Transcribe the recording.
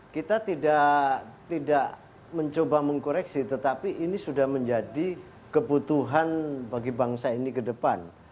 kita tidak mencoba mengkoreksi tetapi ini sudah menjadi kebutuhan bagi bangsa ini ke depan